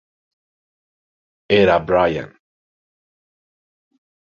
Era Brian.